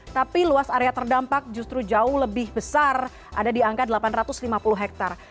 tapi luas area terdampak justru jauh lebih besar ada di angka delapan ratus lima puluh hektare